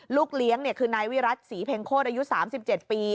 ลูกเลี้ยงคือนายวิรัติศรีเพ็งโคตรอายุ๓๗ปี